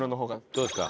どうですか？